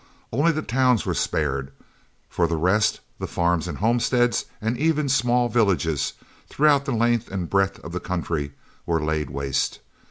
Only the towns were spared; for the rest, the farms and homesteads and even small villages, throughout the length and breadth of the country, were laid waste.